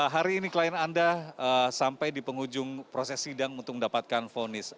hari ini klien anda sampai di penghujung proses sidang untuk mendapatkan vonis